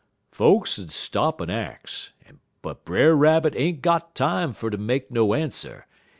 "Folks 'ud stop en ax, but Brer Rabbit ain't got time fer ter make no answer.